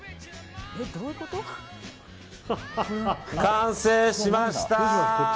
完成しました！